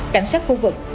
cảnh sát khu vực